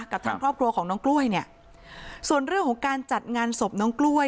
กับทางครอบครัวของน้องกล้วยเนี่ยส่วนเรื่องของการจัดงานศพน้องกล้วย